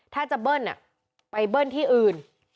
ถ้าจะเบิ้ลไปเบิ้ลที่อื่น